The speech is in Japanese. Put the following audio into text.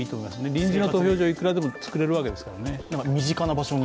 臨時の投票所、いくらでも作れるわけですからね。